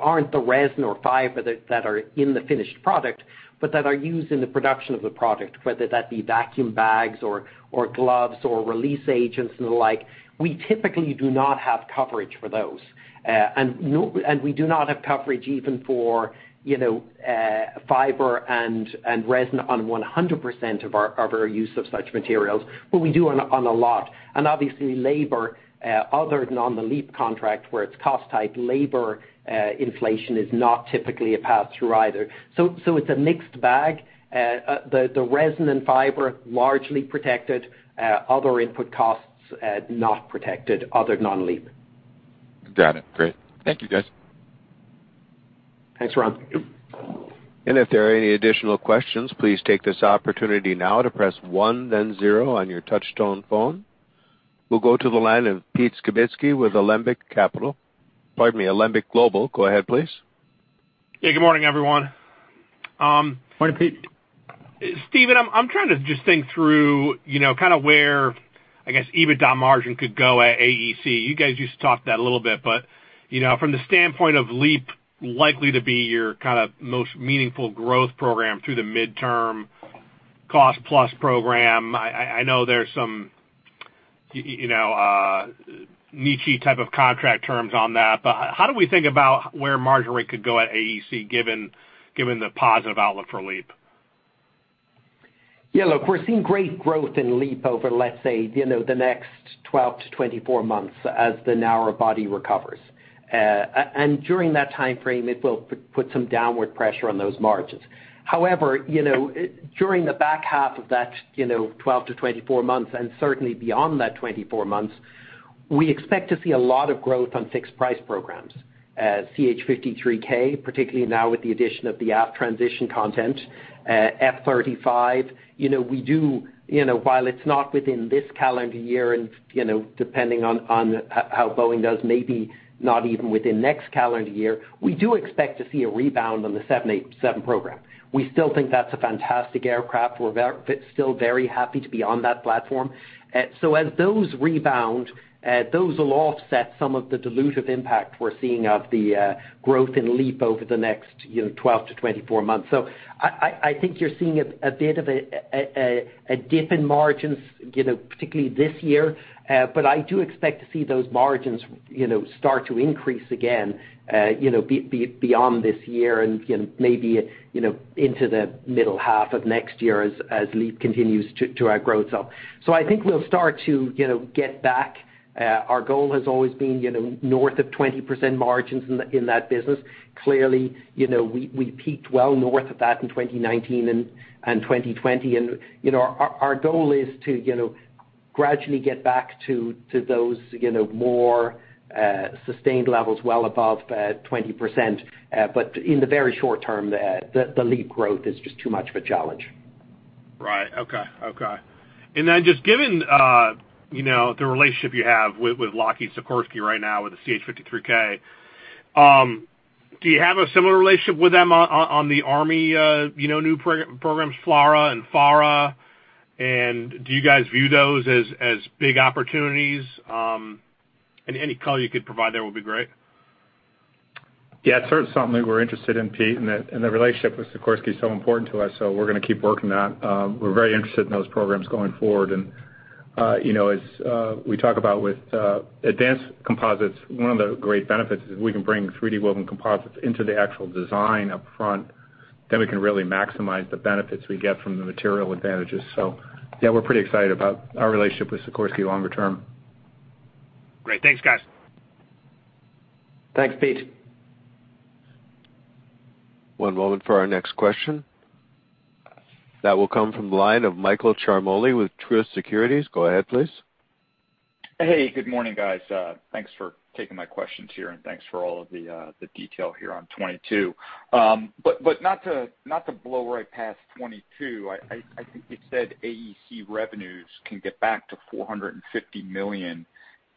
Speaker 4: aren't the resin or fiber that are in the finished product but that are used in the production of the product, whether that be vacuum bags or gloves or release agents and the like. We typically do not have coverage for those. We do not have coverage even for, you know, fiber and resin on 100% of our use of such materials, but we do on a lot. Obviously labor, other than on the LEAP contract where it's cost type, labor inflation is not typically a pass-through either. So it's a mixed bag. The resin and fiber, largely protected. Other input costs, not protected other than on LEAP.
Speaker 7: Got it. Great. Thank you, guys.
Speaker 4: Thanks, Ron.
Speaker 1: If there are any additional questions, please take this opportunity now to press one then zero on your touch-tone phone. We'll go to the line of Pete Skibitski with Alembic Capital. Pardon me, Alembic Global. Go ahead, please.
Speaker 8: Yeah, good morning, everyone.
Speaker 4: Morning, Pete.
Speaker 8: Stephen, I'm trying to just think through, you know, kind of where, I guess, EBITDA margin could go at AEC. You guys just talked that a little bit, but, you know, from the standpoint of LEAP likely to be your kind of most meaningful growth program through the midterm cost-plus program, I know there's some, you know, niche-y type of contract terms on that. But how do we think about where margin rate could go at AEC given the positive outlook for LEAP?
Speaker 4: Yeah, look, we're seeing great growth in LEAP over, let's say, you know, the next 12-24 months as the narrow-body recovers. During that time frame, it will put some downward pressure on those margins. However, you know, during the back half of that, you know, 12-24 months, and certainly beyond that 24 months, we expect to see a lot of growth on fixed-price programs. CH-53K, particularly now with the addition of the aft transition content, F-35. You know, we do, you know, while it's not within this calendar year and, you know, depending on how Boeing does, maybe not even within next calendar year, we do expect to see a rebound on the 787 program. We still think that's a fantastic aircraft. We're still very happy to be on that platform. As those rebound, those will offset some of the dilutive impact we're seeing of the growth in LEAP over the next, you know, 12-24 months. I think you're seeing a bit of a dip in margins, you know, particularly this year. I do expect to see those margins, you know, start to increase again, you know, beyond this year and maybe, you know, into the middle half of next year as LEAP continues to grow. I think we'll start to, you know, get back. Our goal has always been, you know, north of 20% margins in that business. Clearly, you know, we peaked well north of that in 2019 and 2020. You know, our goal is to, you know, gradually get back to those, you know, more sustained levels well above 20%. But in the very short term, the LEAP growth is just too much of a challenge.
Speaker 8: Right. Okay. Okay. Just given, you know, the relationship you have with Lockheed Sikorsky right now with the CH-53K, do you have a similar relationship with them on the Army, you know, new programs, FLRAA and FARA? Do you guys view those as big opportunities? Any color you could provide there would be great.
Speaker 3: Yeah, it's certainly something we're interested in, Pete, and the relationship with Sikorsky is so important to us, so we're gonna keep working that. We're very interested in those programs going forward. You know, as we talk about with advanced composites, one of the great benefits is we can bring 3D woven composites into the actual design upfront, then we can really maximize the benefits we get from the material advantages. Yeah, we're pretty excited about our relationship with Sikorsky longer term.
Speaker 8: Great. Thanks, guys.
Speaker 4: Thanks, Pete.
Speaker 1: One moment for our next question. That will come from the line of Michael Ciarmoli with Truist Securities. Go ahead, please.
Speaker 9: Hey, good morning, guys. Thanks for taking my questions here, and thanks for all of the detail here on 2022. But not to blow right past 2022, I think you said AEC revenues can get back to $450 million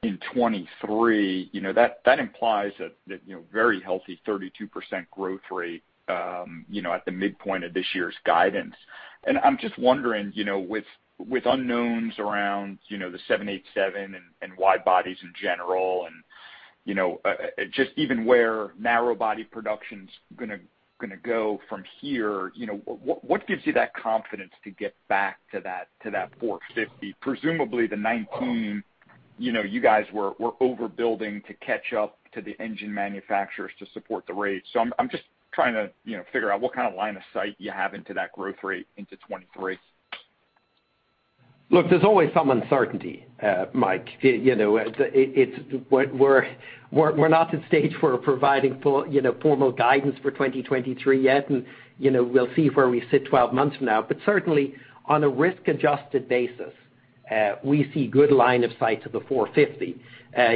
Speaker 9: in 2023. You know, that implies a very healthy 32% growth rate, you know, at the midpoint of this year's guidance. I'm just wondering, you know, with unknowns around, you know, the 787 and wide bodies in general and, you know, just even where narrow-body production's gonna go from here, you know, what gives you that confidence to get back to that $450 million? Presumably 2019, you know, you guys were overbuilding to catch up to the engine manufacturers to support the rate. I'm just trying to, you know, figure out what kind of line of sight you have into that growth rate into 2023.
Speaker 4: Look, there's always some uncertainty, Mike. You know, it's we're not at the stage of providing, you know, formal guidance for 2023 yet. You know, we'll see where we sit 12 months from now. Certainly on a risk-adjusted basis, we see good line of sight to the $450.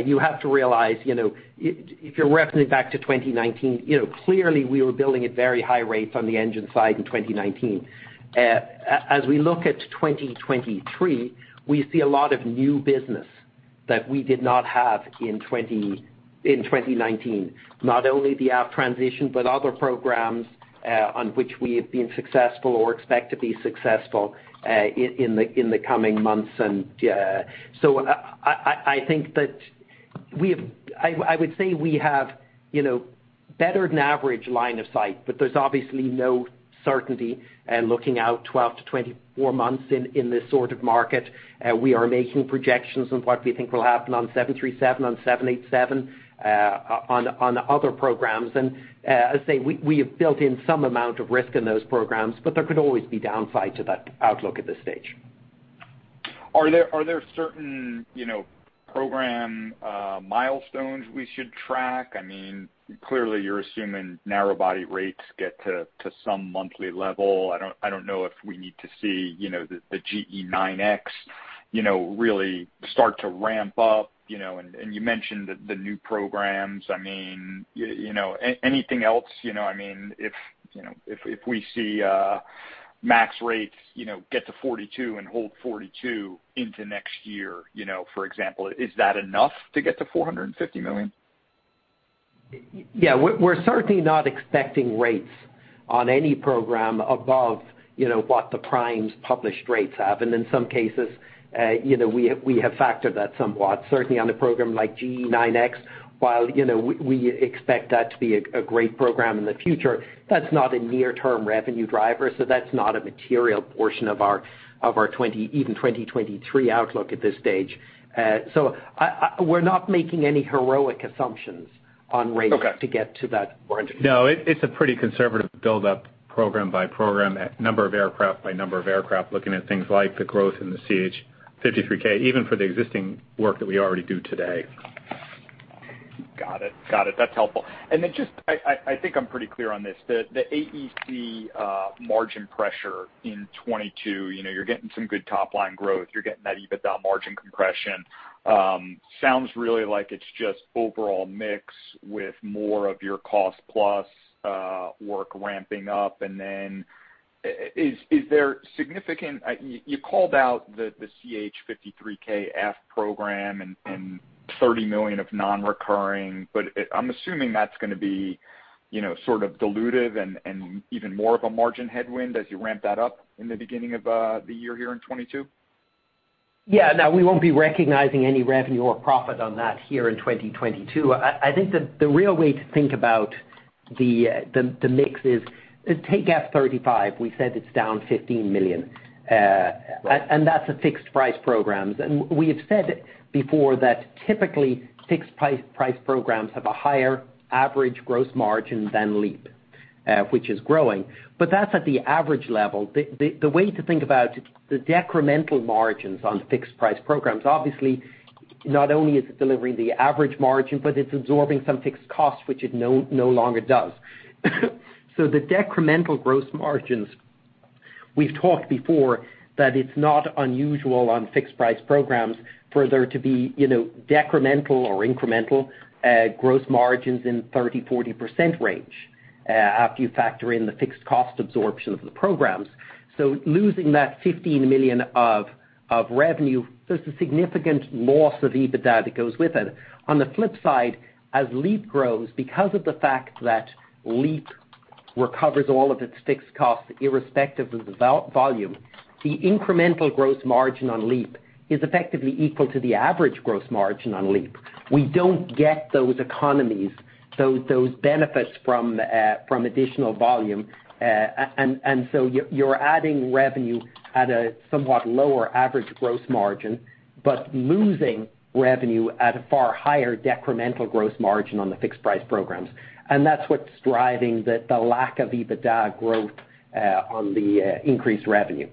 Speaker 4: You have to realize, you know, if you're referencing back to 2019, you know, clearly we were building at very high rates on the engine side in 2019. As we look at 2023, we see a lot of new business that we did not have in 2019. Not only the Aft Transition, but other programs on which we have been successful or expect to be successful in the coming months. I think that we have. I would say we have, you know, better than average line of sight, but there's obviously no certainty looking out 12-24 months in this sort of market. We are making projections on what we think will happen on 737, on 787, on other programs. I say we have built in some amount of risk in those programs, but there could always be downside to that outlook at this stage.
Speaker 9: Are there certain, you know, program milestones we should track? I mean, clearly you're assuming narrow-body rates get to some monthly level. I don't know if we need to see, you know, the GE9X, you know, really start to ramp up, you know, and you mentioned the new programs. I mean, you know, anything else, you know, I mean, if we see max rates, you know, get to 42 and hold 42 into next year, you know, for example, is that enough to get to $450 million?
Speaker 4: Yeah, we're certainly not expecting rates on any program above, you know, what the primes published rates have. In some cases, you know, we have factored that somewhat, certainly on a program like GE9X, while, you know, we expect that to be a great program in the future. That's not a near-term revenue driver, so that's not a material portion of our 2023 outlook at this stage. We're not making any heroic assumptions On rate-
Speaker 9: Okay.
Speaker 4: To get to that point.
Speaker 3: No, it's a pretty conservative buildup program by program, and number of aircraft by number of aircraft, looking at things like the growth in the CH-53K, even for the existing work that we already do today.
Speaker 9: Got it. That's helpful. I think I'm pretty clear on this, the AEC margin pressure in 2022, you know, you're getting some good top-line growth. You're getting that EBITDA margin compression. Sounds really like it's just overall mix with more of your cost plus work ramping up. Is there significant? You called out the CH-53K program and $30 million of non-recurring, but I'm assuming that's gonna be, you know, sort of dilutive and even more of a margin headwind as you ramp that up in the beginning of the year here in 2022.
Speaker 4: Yeah. No, we won't be recognizing any revenue or profit on that here in 2022. I think the real way to think about the mix is take F-35. We said it's down $15 million. And that's a fixed-price programs. We have said before that typically, fixed-price programs have a higher average gross margin than LEAP, which is growing. That's at the average level. The way to think about the decremental margins on fixed-price programs, obviously, not only is it delivering the average margin, but it's absorbing some fixed costs, which it no longer does. The decremental gross margins, we've talked before that it's not unusual on fixed-price programs for there to be, you know, decremental or incremental gross margins in 30%-40% range after you factor in the fixed cost absorption of the programs. Losing that $15 million of revenue, there's a significant loss of EBITDA that goes with it. On the flip side, as LEAP grows, because of the fact that LEAP recovers all of its fixed costs irrespective of the volume, the incremental gross margin on LEAP is effectively equal to the average gross margin on LEAP. We don't get those economies, those benefits from additional volume. You're adding revenue at a somewhat lower average gross margin, but losing revenue at a far higher decremental gross margin on the fixed-price programs, and that's what's driving the lack of EBITDA growth on the increased revenue.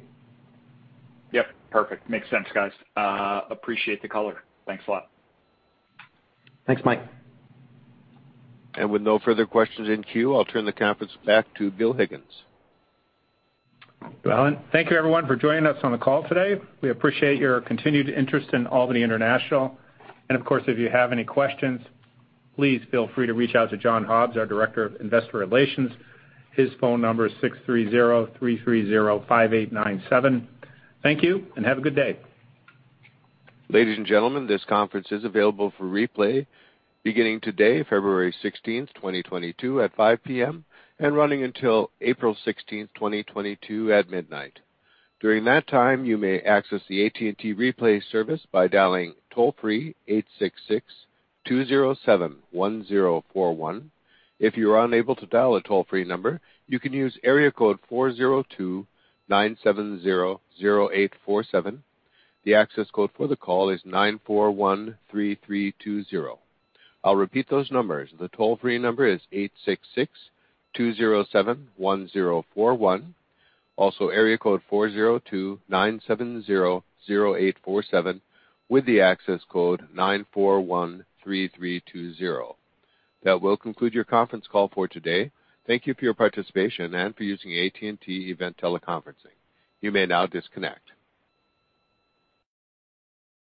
Speaker 9: Yep, perfect. Makes sense, guys. Appreciate the color. Thanks a lot.
Speaker 4: Thanks, Mike.
Speaker 1: With no further questions in queue, I'll turn the conference back to Bill Higgins.
Speaker 3: Well, thank you, everyone, for joining us on the call today. We appreciate your continued interest in Albany International. Of course, if you have any questions, please feel free to reach out to John Hobbs, our Director of Investor Relations. His phone number is 630-330-5897. Thank you, and have a good day.
Speaker 1: Ladies and gentlemen, this conference is available for replay beginning today, February 16, 2022 at 5:00 P.M., and running until April 16, 2022 at midnight. During that time, you may access the AT&T Replay service by dialing toll-free 866-207-1041. If you are unable to dial a toll-free number, you can use area code 402-970-0847. The access code for the call is 9413320. I'll repeat those numbers. The toll-free number is 866-207-1041, also area code 402-970-0847, with the access code 9413320. That will conclude your conference call for today. Thank you for your participation and for using AT&T Event Teleconferencing. You may now disconnect.